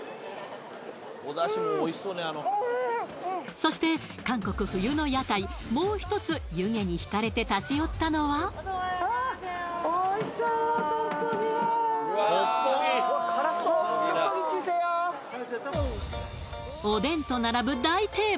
そして韓国冬の屋台もう一つ湯気にひかれて立ち寄ったのはおでんと並ぶ大定番！